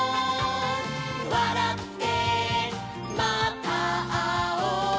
「わらってまたあおう」